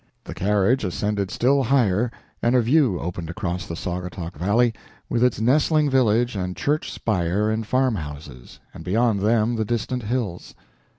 The carriage ascended still higher, and a view opened across the Saugatuck Valley, with its nestling village and church spire and farmhouses, and beyond them the distant hills.